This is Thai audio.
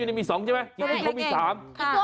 อุ้ยไอ้เหมียวอุ้ยใช่ไอ้เก่งอีกตัวไปไหน